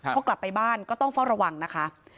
พอกลับไปบ้านก็ต้องเฝ้าระวังนะคะ